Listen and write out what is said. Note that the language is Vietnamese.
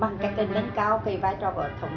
bằng cách để nâng cao